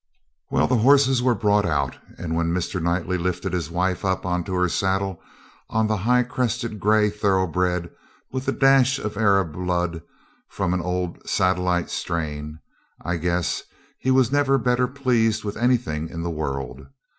Well, the horses were brought out, and when Mr. Knightley lifted his wife up on to her saddle on the high crested gray thoroughbred with a dash of Arab blood from an old Satellite strain, I guess he was never better pleased with anything in the world.